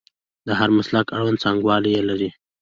د هر مسلک اړوند څانګوال یې لري.